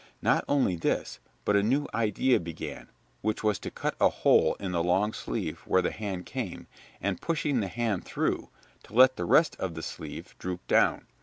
Not only this, but a new idea began, which was to cut a hole in the long sleeve where the hand came, and, pushing the hand through, to let the rest of the sleeve droop down.